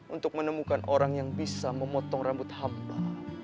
untuk menemukan orang yang bisa memotong rambut hamba